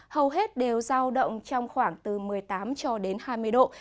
hầu hết đều giao động trong khoảng từ một mươi tám cho đến hai mươi độ